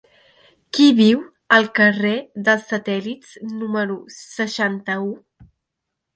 Qui viu al carrer dels Satèl·lits número seixanta-u?